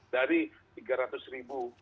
dari tiga ratus ribu